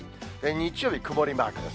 日曜日、曇りマークです。